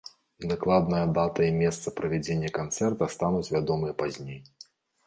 Дакладная дата і месца правядзення канцэрта стануць вядомыя пазней.